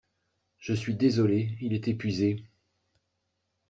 Je suis désolé, il est épuisé.